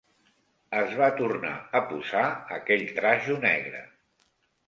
Es va tornar a posar aquell trajo negre